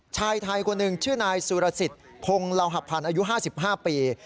ชายไทยคนหนึ่งชื่อนายสุรสิทธิ์พงศ์ลาวหพันธ์อายุ๕๕ปี